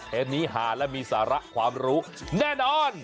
เห็นมีหาและมีศาละความรู้แน่นอน